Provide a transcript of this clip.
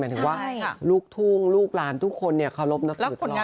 หมายถึงว่าลูกทุ่งลูกลานทุกคนเนี่ยเคารพนักศึกตลอดเลย